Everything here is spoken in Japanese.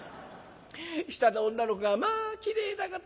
下の女の子が『まあきれいだこと』。